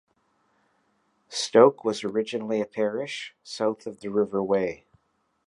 Stoke was originally a parish south of the River Wey.